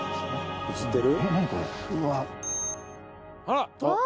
あら！